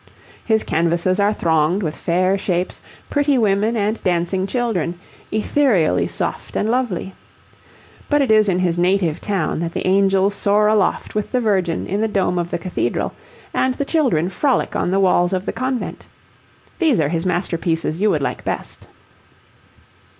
His canvases are thronged with fair shapes, pretty women and dancing children, ethereally soft and lovely. But it is in his native town that the angels soar aloft with the Virgin in the dome of the cathedral, and the children frolic on the walls of the convent. These are his masterpieces you would like best.